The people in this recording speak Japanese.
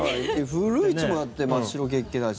古市も、だって真っ白けっけだし。